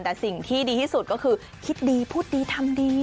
แต่สิ่งที่ดีที่สุดก็คือคิดดีพูดดีทำดี